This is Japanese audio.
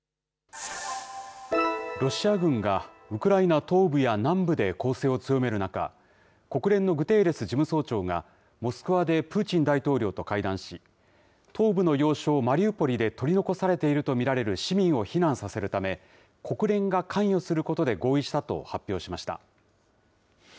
ロシア軍がウクライナ東部や南部で攻勢を強める中、国連のグテーレス事務総長が、モスクワでプーチン大統領と会談し、東部の要衝マリウポリで取り残されていると見られる市民を避難させるため、国連が関与することで合意したと発表しました。